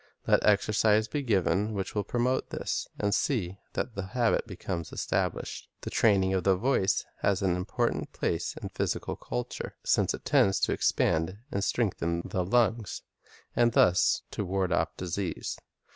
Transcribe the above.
Let exercises be given which will promote this, and see that the habit becomes established. The training of the voice has an important place in physical culture, since it tends to expand and strengthen the lungs, and thus to ward off disease.